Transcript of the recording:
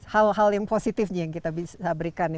hal hal yang positifnya yang kita bisa berikan ya